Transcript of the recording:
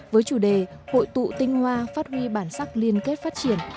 với chủ đề hội tụ tinh hoa phát huy bản sắc liên kết phát triển